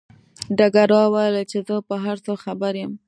ډګروال وویل چې زه په هر څه خبر یم